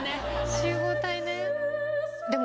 集合体ね！